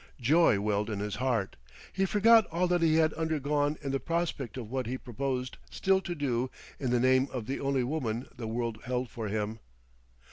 Joy welled in his heart. He forgot all that he had undergone in the prospect of what he proposed still to do in the name of the only woman the world held for him.